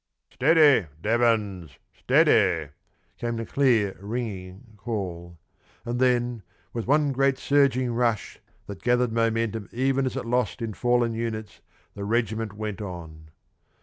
"Steady, Devons, steady," came the clear ringing call, and then, with one great surging rush, that gathered momentum even as it lost in fallen units, the regiment went on.